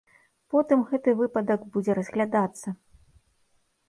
Потым гэты выпадак будзе разглядацца.